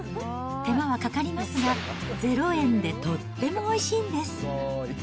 手間はかかりますが、ゼロ円でとってもおいしいんです。